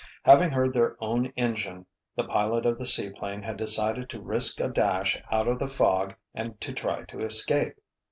Having heard their own engine, the pilot of the seaplane had decided to risk a dash out of the fog and to try to escape.